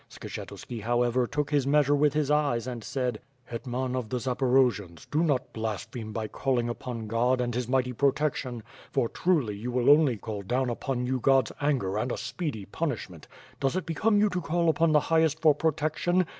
Skshetuski, however, took his measure with his eyes, and said: "Hetman of the Zaporojians, do not blaspheme by calling upon God and His mighty protection, for truly you will only call dow^n upon you God's anger and a speedy punishment. Does it become you to call upon the Highest for protection?